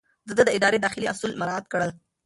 ده د ادارې داخلي اصول مراعات کړل.